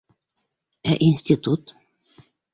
Ә институт?